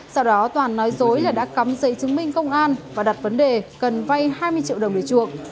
sau đó toàn nói dối là đã cấm giấy chứng minh công an và đặt vấn đề cần vai hai mươi triệu đồng để chuộc